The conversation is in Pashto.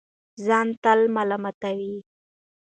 ځان تل ملامتوي